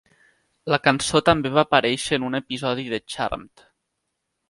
La cançó també va aparèixer en un episodi de "Charmed".